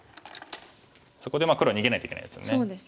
そこで黒逃げないといけないですよね。